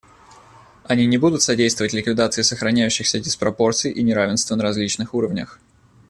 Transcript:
Они не будут содействовать ликвидации сохраняющихся диспропорций и неравенства на различных уровнях.